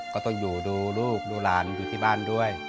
ก็ต้องอยู่ดูลูกดูหลานอยู่ที่บ้านด้วย